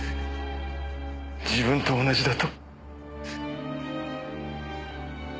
自分と同じだと。